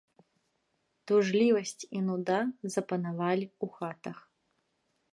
Тужлівасць і нуда запанавалі ў хатах.